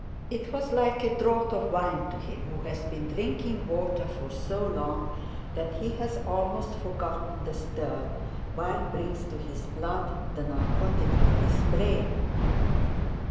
It was like a draught of wine to him who has been drinking water for so long that he has almost forgotten the stir wine brings to his blood, the narcotic to his brain.